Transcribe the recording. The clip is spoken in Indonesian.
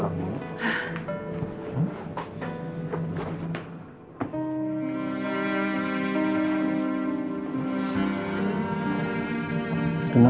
mas aku mau tidur